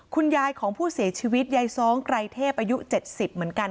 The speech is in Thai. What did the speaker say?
คุณยายของผู้เสียชีวิตยายซ้องไกรเทพอายุ๗๐เหมือนกัน